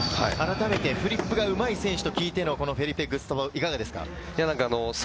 改めてフリップがうまい選手と聞いてのフェリペ・グスタボ、いかがですか？